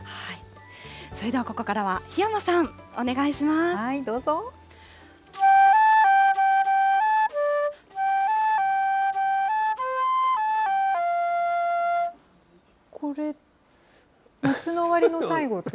それではここからは檜山さん、お願いします。